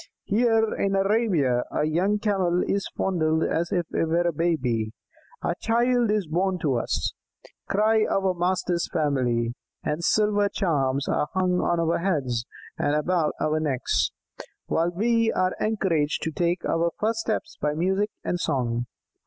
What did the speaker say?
Here in Arabia a young Camel is fondled as if it were a baby. 'A child is born to us,' cry our master's family; and silver charms are hung on our heads and about our necks, while we are encouraged to take our first steps by music and song."